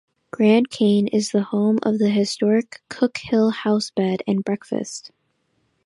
Grand Cane is the home of the historic Cook-Hill House Bed and Breakfast.